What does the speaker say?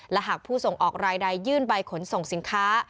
และหากผู้ส่งออกรายใดยื่นใบขนส่งสินค้า